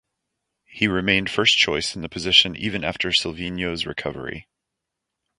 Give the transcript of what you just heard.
He remained first-choice in the position even after Sylvinho's recovery.